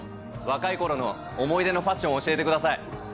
若いころの思い出のファッション、教えてください。